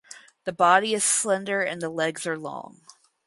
The body is slender and the legs are long.